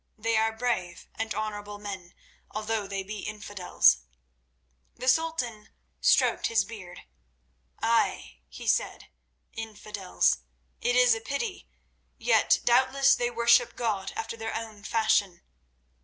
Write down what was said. They are brave and honourable men, although they be infidels." The Sultan stroked his beard. "Ay," he said, "infidels. It is a pity, yet doubtless they worship God after their own fashion.